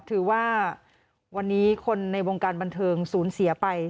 ถือว่าวันนี้คนในวงการบันเทิงศูนย์เสียไป